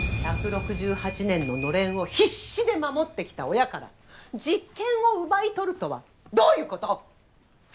１６８年ののれんを必死で守ってきた親から実権を奪い取るとはどういうこと！？